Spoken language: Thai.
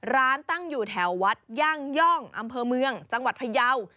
ร้านตั้งอยู่แถววัดย่างย่องอำเภอเมืองจังหวัดพยาว